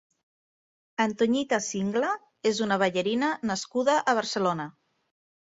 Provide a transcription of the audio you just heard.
Antoñita Singla és una ballarina nascuda a Barcelona.